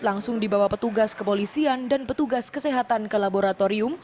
langsung dibawa petugas kepolisian dan petugas kesehatan ke laboratorium